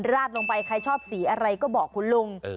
ราดลงไปใครชอบสีอะไรก็บอกคุณลุง